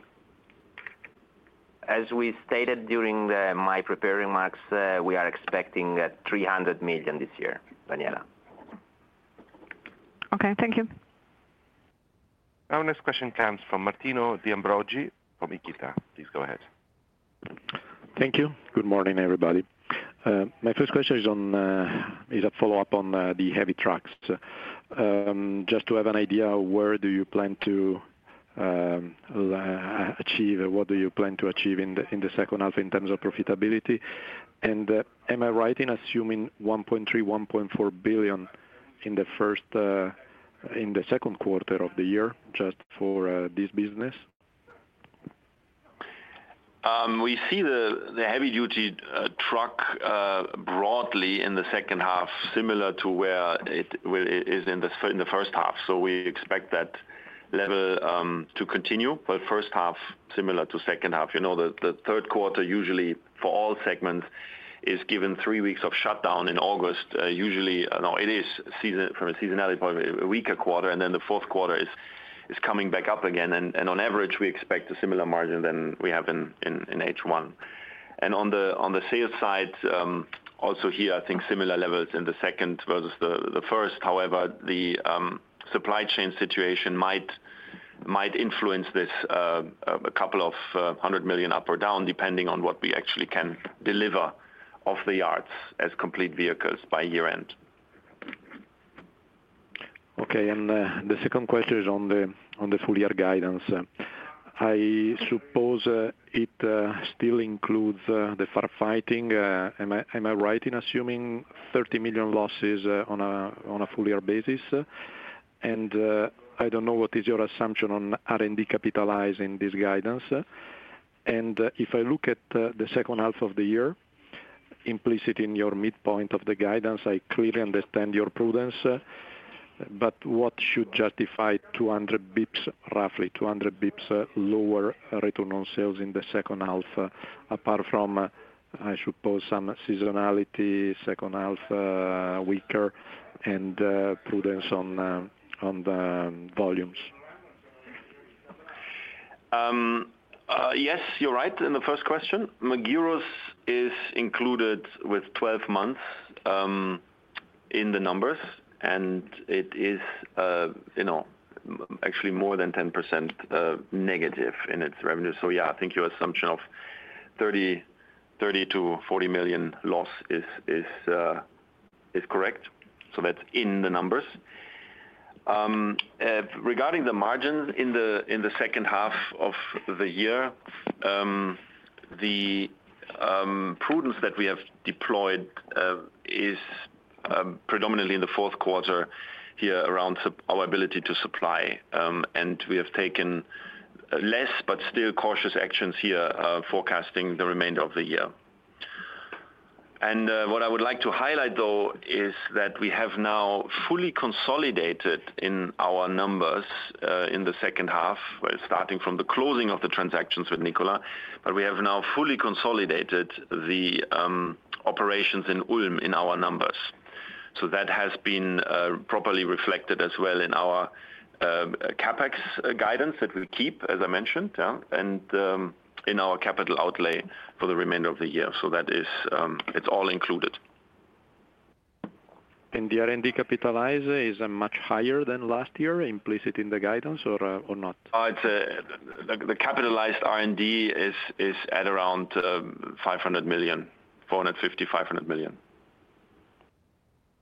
As we stated during my prepared remarks, we are expecting 300 million this year, Daniela. Okay, thank you. Our next question comes from Martino De Ambroggi from Equita. Please go ahead. Thank you. Good morning, everybody. My first question is on, is a follow-up on the heavy trucks. Just to have an idea, where do you plan to achieve, or what do you plan to achieve in the second half in terms of profitability? Am I right in assuming 1.3 billion-1.4 billion in the second quarter of the year, just for this business? We see the heavy-duty truck broadly in the second half, similar to where it, where it is in the first half. We expect that level to continue, but first half, similar to second half. You know, the third quarter, usually for all segments, is given three weeks of shutdown in August, usually. No, it is season from a seasonality point, a weaker quarter, and then the fourth quarter is coming back up again. On average, we expect a similar margin than we have in H1. On the sales side, also here, I think similar levels in the second versus the first. However, the supply chain situation might, might influence this, a couple of hundred million up or down, depending on what we actually can deliver off the yards as complete vehicles by year-end. Okay, the second question is on the, on the full-year guidance. I suppose, it still includes the firefighting. Am I, am I right in assuming 30 million losses on a full-year basis? I don't know what is your assumption on R&D capitalizing this guidance. If I look at the second half of the year, implicit in your midpoint of the guidance, I clearly understand your prudence, but what should justify 200 bps, roughly 200 bips, lower return on sales in the second half, apart from, I suppose, some seasonality, second half, weaker and prudence on the volumes? Yes, you're right in the first question. Magirus is included with 12 months in the numbers, and it is, you know, actually more than 10% negative in its revenue. Yeah, I think your assumption of 30 million-40 million loss is correct. That's in the numbers. Regarding the margins in the second half of the year, the prudence that we have deployed is predominantly in the fourth quarter here around our ability to supply. We have taken less, but still cautious actions here, forecasting the remainder of the year. What I would like to highlight, though, is that we have now fully consolidated in our numbers in the second half, well, starting from the closing of the transactions with Nikola, but we have now fully consolidated the operations in Ulm in our numbers. That has been properly reflected as well in our CapEx guidance that we'll keep, as I mentioned, yeah, and in our capital outlay for the remainder of the year. That is, it's all included. The R&D capitalize is, much higher than last year, implicit in the guidance or, or not? It's the capitalized R&D is at around 500 million, 455 million.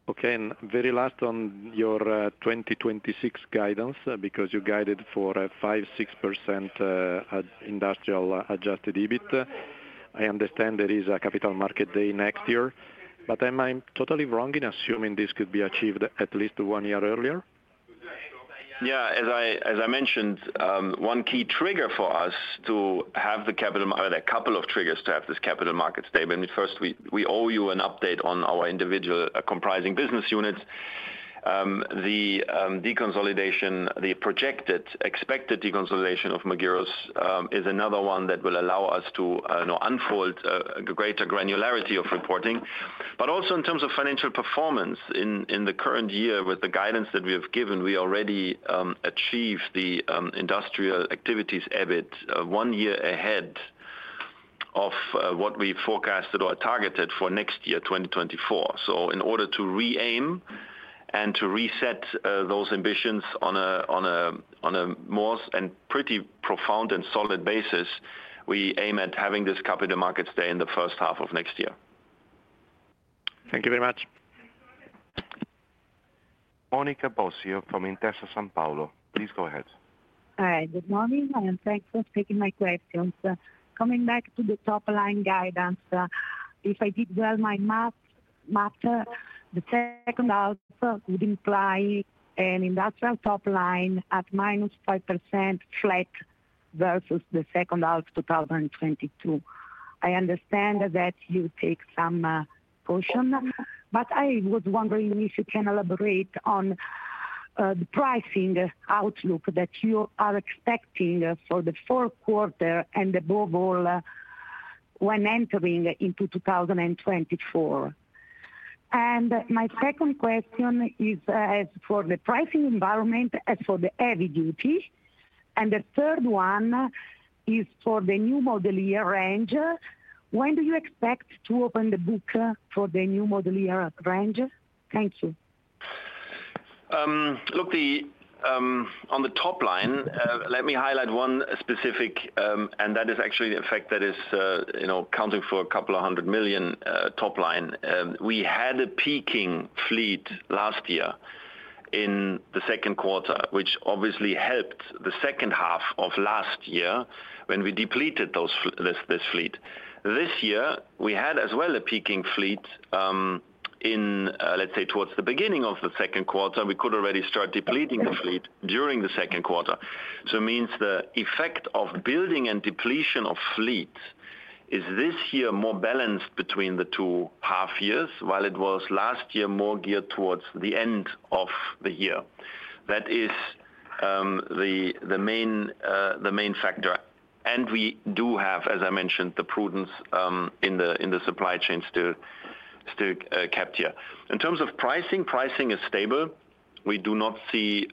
Okay, very last on your 2026 guidance, because you guided for a 5%-6% industrial adjusted EBIT. I understand there is a Capital Markets Day next year, am I totally wrong in assuming this could be achieved at least one year earlier? Yeah, as I, as I mentioned, one key trigger for us to have the capital... A couple of triggers to have this Capital Markets Day. First, we, we owe you an update on our individual comprising business units. The deconsolidation, the projected, expected deconsolidation of Magirus, is another one that will allow us to, you know, unfold a greater granularity of reporting. Also in terms of financial performance, in, in the current year, with the guidance that we have given, we already achieved the industrial activities EBIT, 1 year ahead of what we forecasted or targeted for next year, 2024. In order to re-aim and to reset, those ambitions on a more and pretty profound and solid basis, we aim at having this Capital Markets Day in the first half of next year. Thank you very much. Monica Bosio from Intesa Sanpaolo. Please go ahead. Hi, good morning, and thanks for taking my questions. Coming back to the top-line guidance, if I did well, my math, the second half would imply an industrial top line at -5% flat versus the second half of 2022. I understand that you take some caution, but I was wondering if you can elaborate on the pricing outlook that you are expecting for the fourth quarter and above all, when entering into 2024. My second question is for the pricing environment as for the heavy duty. The third one is for the new Model Year range. When do you expect to open the book for the new Model Year range? Thank you. Look, on the top line, let me highlight one specific, and that is actually the effect that is, you know, accounting for a couple of hundred million top line. We had a peaking fleet last year. in the second quarter, which obviously helped the second half of last year when we depleted this fleet. This year, we had as well a peaking fleet in, let's say towards the beginning of the second quarter, we could already start depleting the fleet during the second quarter. It means the effect of building and depletion of fleet is this year more balanced between the two half years, while it was last year more geared towards the end of the year. That is the main factor, and we do have, as I mentioned, the prudence in the supply chain still, still kept here. In terms of pricing, pricing is stable. We do not see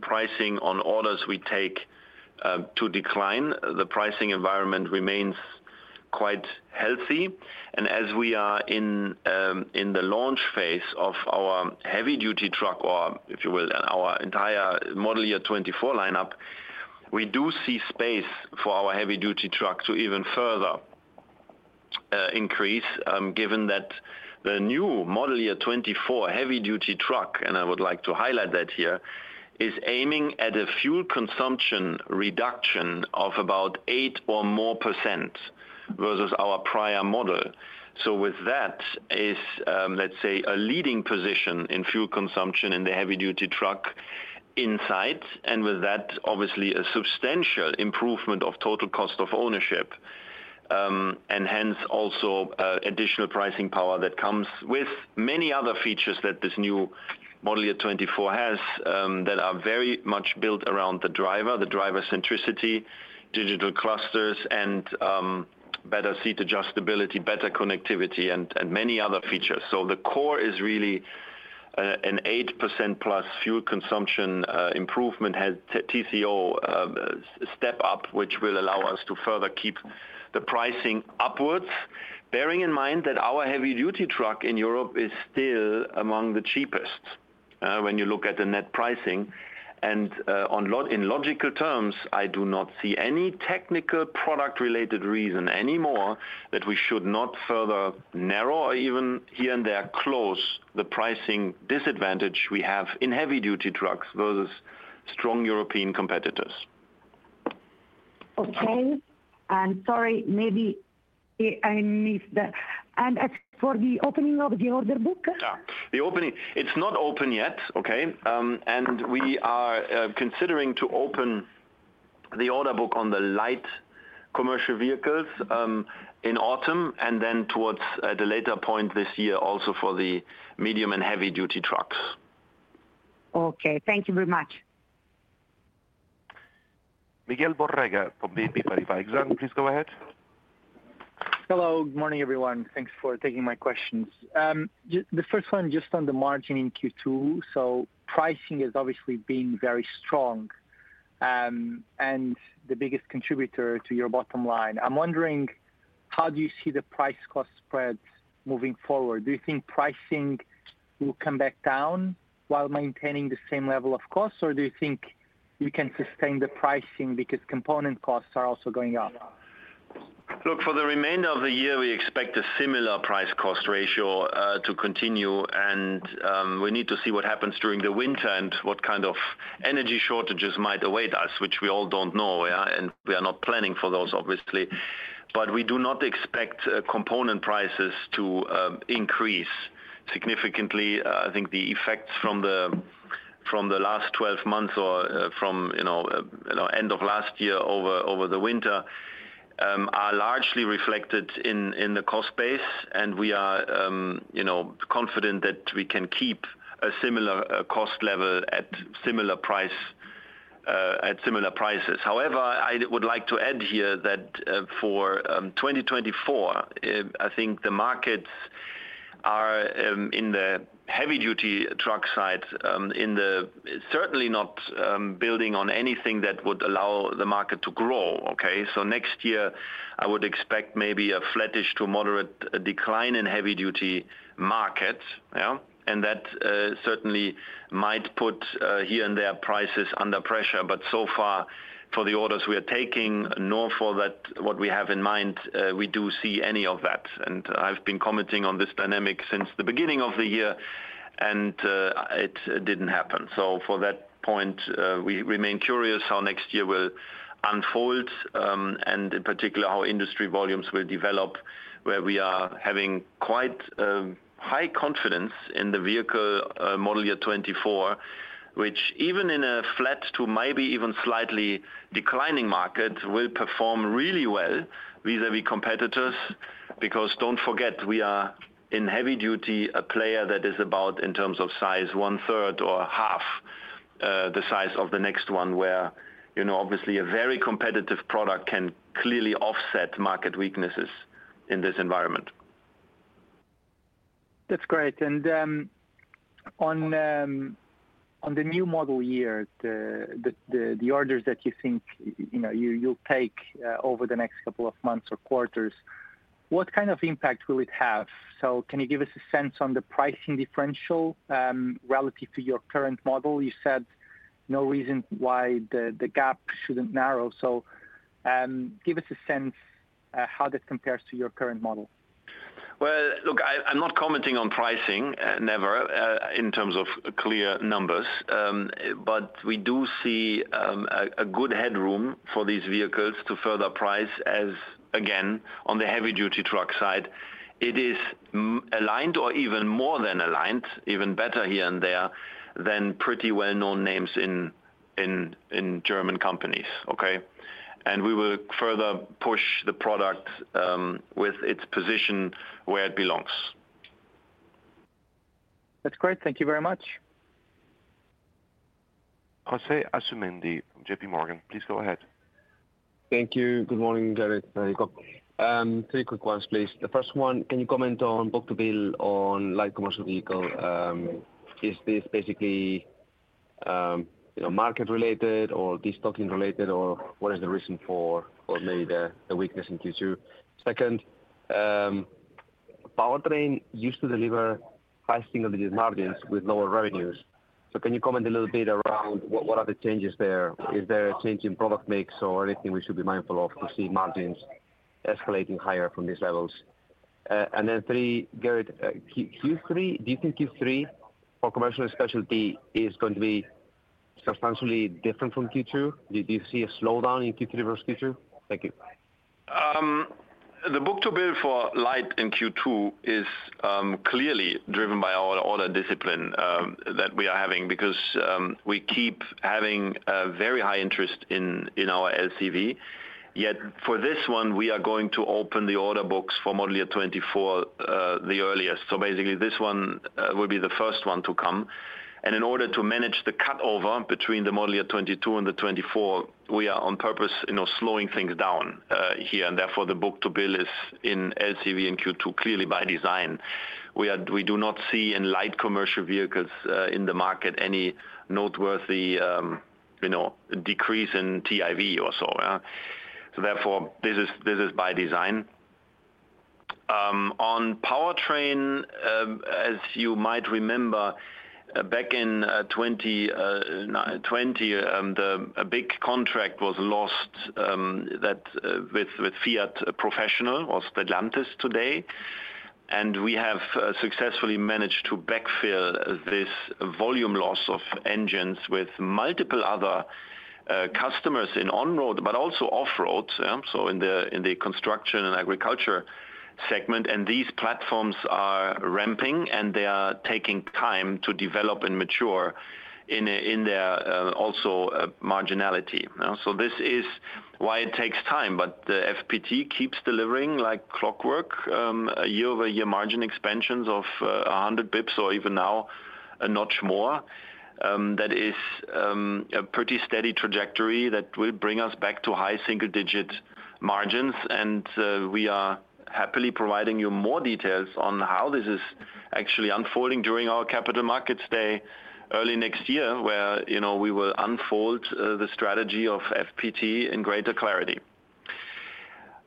pricing on orders we take to decline. The pricing environment remains quite healthy. As we are in the launch phase of our heavy-duty truck, or if you will, our entire Model Year 2024 lineup, we do see space for our heavy-duty truck to even further increase, given that the new Model Year 2024 heavy-duty truck, and I would like to highlight that here, is aiming at a fuel consumption reduction of about 8% or more versus our prior model. With that is, let's say, a leading position in fuel consumption in the heavy-duty truck in sight, and with that, obviously a substantial improvement of total cost of ownership, and hence also additional pricing power that comes with many other features that this new Model Year 2024 has, that are very much built around the driver, the driver centricity, digital clusters and better seat adjustability, better connectivity and many other features. The core is really an 8%+ fuel consumption improvement, has TCO step up, which will allow us to further keep the pricing upwards. Bearing in mind that our heavy-duty truck in Europe is still among the cheapest, when you look at the net pricing. In logical terms, I do not see any technical product-related reason anymore that we should not further narrow or even here and there, close the pricing disadvantage we have in heavy-duty trucks versus strong European competitors. Okay, sorry, maybe I, I missed that. As for the opening of the order book? The opening. It's not open yet, okay? We are considering to open the order book on the light commercial vehicles, in autumn, and then towards, at a later point this year, also for the medium and heavy-duty trucks. Okay, thank you very much. Miguel Borrega from Exane, please go ahead. Hello, good morning, everyone. Thanks for taking my questions. The first one, just on the margin in Q2. Pricing has obviously been very strong, and the biggest contributor to your bottom line. I'm wondering, how do you see the price cost spreads moving forward? Do you think pricing will come back down while maintaining the same level of costs, or do you think you can sustain the pricing because component costs are also going up? Look, for the remainder of the year, we expect a similar price cost ratio to continue, and we need to see what happens during the winter and what kind of energy shortages might await us, which we all don't know, yeah, and we are not planning for those, obviously. We do not expect component prices to increase significantly. I think the effects from the, from the last 12 months or from, you know, end of last year over, over the winter are largely reflected in the cost base, and we are, you know, confident that we can keep a similar cost level at similar price at similar prices. However, I would like to add here that, for 2024, I think the markets are in the heavy-duty truck side, certainly not building on anything that would allow the market to grow, okay? Next year, I would expect maybe a flattish to moderate decline in heavy-duty markets, yeah, and that certainly might put here and there, prices under pressure. So far, for the orders we are taking, nor for that, what we have in mind, we do see any of that. I've been commenting on this dynamic since the beginning of the year, and it didn't happen. For that point, we remain curious how next year will unfold, and in particular, how industry volumes will develop, where we are having quite high confidence in the vehicle, Model Year 2024, which even in a flat to maybe even slightly declining market, will perform really well vis-a-vis competitors. Don't forget, we are, in heavy-duty, a player that is about, in terms of size, one-third or half, the size of the next one, where, you know, obviously a very competitive product can clearly offset market weaknesses in this environment. That's great. On the new model year, the orders that you think, you know, you'll take over the next couple of months or quarters, what kind of impact will it have? Can you give us a sense on the pricing differential relative to your current model? You said no reason why the gap shouldn't narrow. Give us a sense how this compares to your current model. Well, look, I, I'm not commenting on pricing, never, in terms of clear numbers. We do see a good headroom for these vehicles to further price as, again, on the heavy-duty truck side, it is aligned or even more than aligned, even better here and there than pretty well-known names in, in, in German companies, okay? We will further push the product with its position where it belongs. That's great. Thank you very much. José Asumendi from J.P. Morgan, please go ahead. Thank you. Good morning, Gerrit. 3 quick ones, please. The first one, can you comment on book-to-bill on light commercial vehicle? Is this basically, you know, market related, or destocking related, or what is the reason for, for maybe the, the weakness in Q2? Second, powertrain used to deliver high single-digit margins with lower revenues. Can you comment a little bit around what, what are the changes there? Is there a change in product mix or anything we should be mindful of to see margins escalating higher from these levels? And then 3, Gerrit, Q3, do you think Q3 for commercial and specialty is going to be substantially different from Q2? Do you see a slowdown in Q3 versus Q2? Thank you. The book-to-bill for light in Q2 is clearly driven by our order discipline that we are having, because we keep having a very high interest in our LCV. Yet for this one, we are going to open the order books for Model Year 2024 the earliest. Basically, this one will be the first one to come. In order to manage the cut-over between the model year 2022 and the 2024, we are on purpose, you know, slowing things down here, and therefore, the book-to-bill is in LCV in Q2, clearly by design. We do not see in light commercial vehicles in the market, any noteworthy, you know, decrease in TIV or so, yeah. Therefore, this is, this is by design. On powertrain, as you might remember, back in 2020, a big contract was lost that with Fiat Professional or Stellantis today. We have successfully managed to backfill this volume loss of engines with multiple other customers in on-road, but also off-road, so in the construction and agriculture segment. These platforms are ramping, and they are taking time to develop and mature in their also marginality, so this is why it takes time. The FPT keeps delivering like clockwork, a year-over-year margin expansions of 100 bps or even now a notch more. That is a pretty steady trajectory that will bring us back to high single-digit margins, we are happily providing you more details on how this is actually unfolding during our Capital Markets Day early next year, where, you know, we will unfold the strategy of FPT in greater clarity.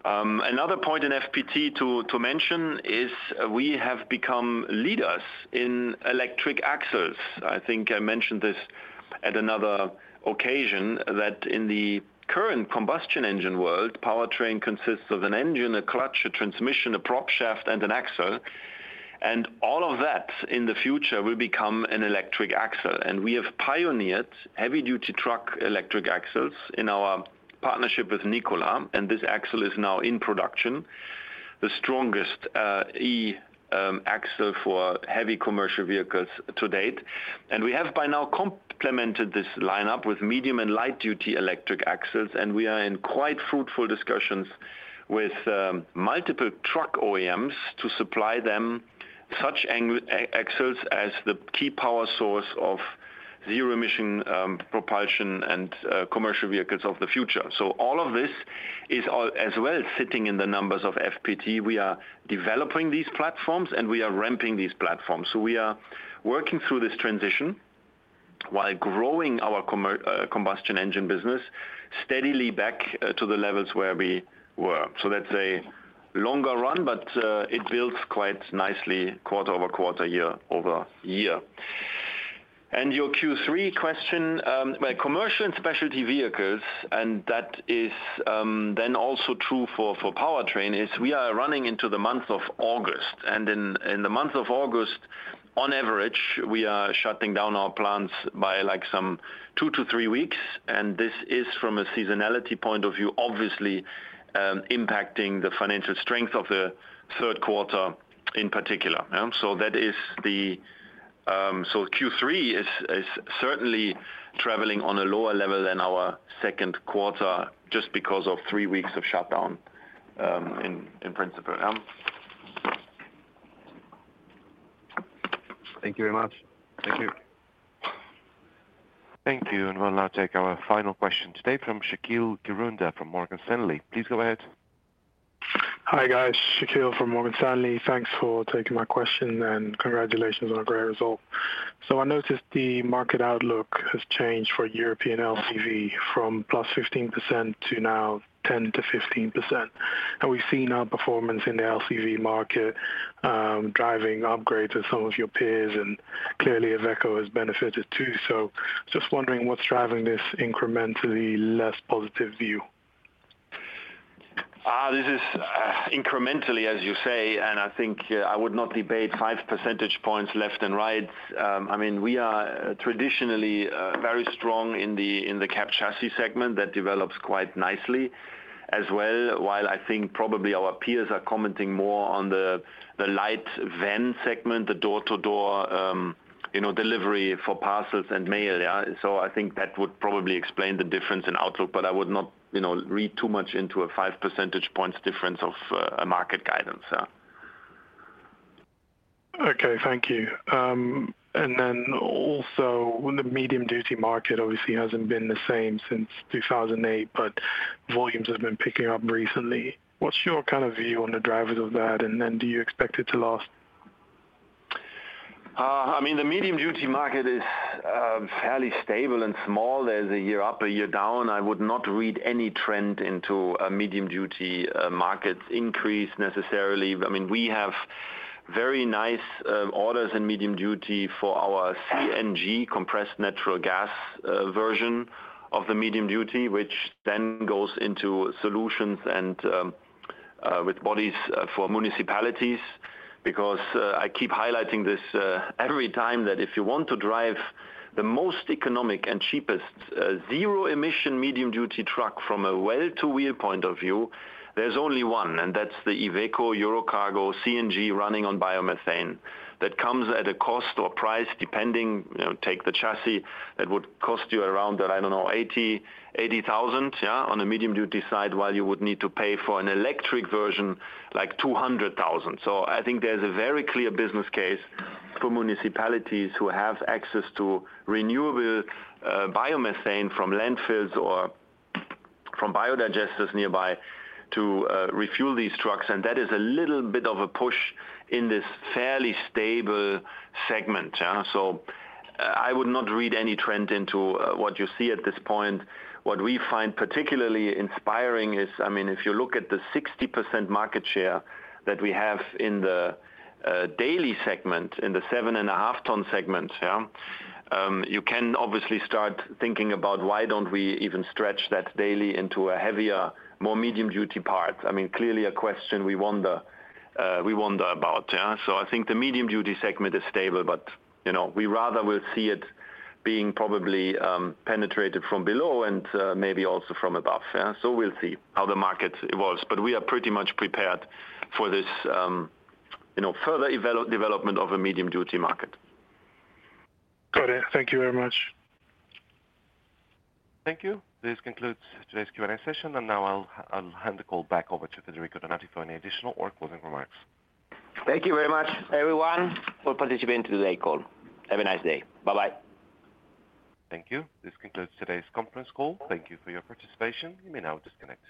Another point in FPT to mention is we have become leaders in electric axles. I think I mentioned this at another occasion, that in the current combustion engine world, powertrain consists of an engine, a clutch, a transmission, a prop shaft, and an axle. All of that, in the future, will become an electric axle. We have pioneered heavy-duty truck electric axles in our partnership with Nikola, and this axle is now in production. The strongest E-Axle for heavy commercial vehicles to date. We have by now complemented this lineup with medium and light-duty E-Axles, and we are in quite fruitful discussions with multiple truck OEMs to supply them such E-Axles as the key power source of zero-emission propulsion and commercial vehicles of the future. All of this is as well, sitting in the numbers of FPT. We are developing these platforms, and we are ramping these platforms. We are working through this transition while growing our combustion engine business steadily back to the levels where we were. That's a longer run, but it builds quite nicely quarter-over-quarter, year-over-year. Your Q3 question, well, commercial and specialty vehicles, and that is then also true for powertrain, is we are running into the month of August. In, in the month of August, on average, we are shutting down our plants by, like, some 2 to 3 weeks, and this is from a seasonality point of view, obviously, impacting the financial strength of the third quarter in particular. Q3 is, is certainly traveling on a lower level than our second quarter, just because of 3 weeks of shutdown, in principle. Thank you very much. Thank you. Thank you, we'll now take our final question today from Shaqeal Kirunda from Morgan Stanley. Please go ahead. Hi, guys. Shaqeal from Morgan Stanley. Thanks for taking my question, and congratulations on a great result. I noticed the market outlook has changed for European LCV from +15% to now 10%-15%. We've seen our performance in the LCV market, driving upgrades with some of your peers, and clearly, Iveco Group has benefited, too. Just wondering what's driving this incrementally less positive view? This is incrementally, as you say, and I think I would not debate five percentage points left and right. I mean, we are traditionally very strong in the, in the cab chassis segment that develops quite nicely as well, while I think probably our peers are commenting more on the, the light van segment, the door-to-door, you know, delivery for parcels and mail, yeah. I think that would probably explain the difference in outlook, but I would not, you know, read too much into a five percentage points difference of a market guidance, yeah. Okay, thank you. Also, when the medium-duty market obviously hasn't been the same since 2008, but volumes have been picking up recently. What's your kind of view on the drivers of that? Do you expect it to last? I mean, the medium-duty market is fairly stable and small. There's a year up, a year down. I would not read any trend into a medium-duty market increase necessarily. I mean, we have very nice orders in medium-duty for our CNG, compressed natural gas, version of the medium-duty, which then goes into solutions and with bodies for municipalities. Because I keep highlighting this every time, that if you want to drive the most economic and cheapest zero-emission medium-duty truck from a well-to-wheel point of view, there's only one, and that's the Iveco Eurocargo CNG running on biomethane. That comes at a cost or price, depending, you know, take the chassis, it would cost you around, I don't know, 80,000, yeah, on the medium-duty side, while you would need to pay for an electric version, like, 200,000. I think there's a very clear business case for municipalities who have access to renewable, biomethane from landfills or from biodigesters nearby to refuel these trucks, and that is a little bit of a push in this fairly stable segment, yeah? I would not read any trend into what you see at this point. What we find particularly inspiring is, I mean, if you look at the 60% market share that we have in the Daily segment, in the 7.5 tn segment, yeah, you can obviously start thinking about why don't we even stretch that Daily into a heavier, more medium-duty part? I mean, clearly a question we wonder, we wonder about, yeah. I think the medium-duty segment is stable, but, you know, we rather will see it being probably penetrated from below and maybe also from above, yeah. We'll see how the market evolves, but we are pretty much prepared for this, you know, further development of a medium-duty market. Got it. Thank you very much. Thank you. This concludes today's Q&A session, and now I'll hand the call back over to Federico Donati for any additional or closing remarks. Thank you very much, everyone, for participating in today's call. Have a nice day. Bye-bye. Thank you. This concludes today's conference call. Thank you for your participation. You may now disconnect.